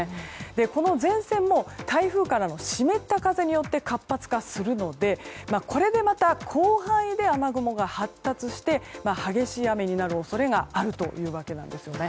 この前線も台風からの湿った風によって活発化するのでこれでまた広範囲で雨雲が発達して激しい雨になる恐れがあるんです。